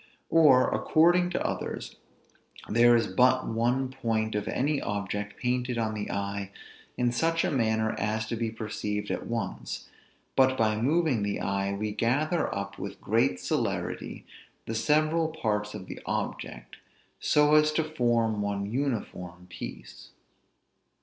Or, according to others, there is but one point of any object painted on the eye in such a manner as to be perceived at once, but by moving the eye, we gather up, with great celerity, the several parts of the object, so as to form one uniform piece.